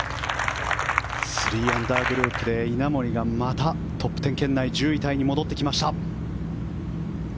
３アンダーグループで稲森がまたトップ１０圏内１０位タイに戻ってきました。